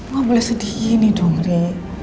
mama boleh sedih ini dong ri